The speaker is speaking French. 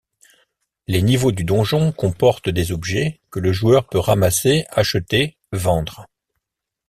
Les niveaux du donjon comportent des objets, que le joueur peut ramasser, acheter, vendre.